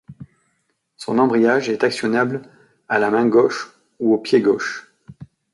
Son embrayage est actionnable à la main gauche ou au pied gauche.